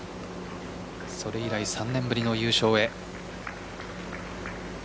それ以来３年ぶりの優勝へ。